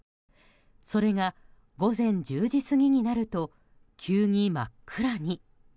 それが午前１０時過ぎになると急に真っ暗に。